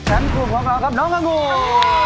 แชมป์กลุ่มของเรากับน้องอังุธ